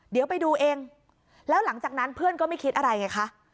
เดี๋ยวไปดูเองแล้วหลังจากนั้นเพื่อนก็ไม่คิดอะไรไงคะ